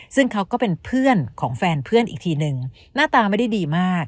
ซึ่งเขาก็เป็นเพื่อนของแฟนเพื่อนอีกทีนึงหน้าตาไม่ได้ดีมาก